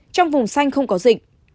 trong vùng xanh không có dịch